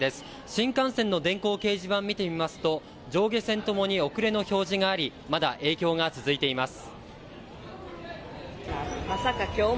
新幹線の電光掲示板を見てみますと上下線ともに遅れの表示がありまだ影響が続いています。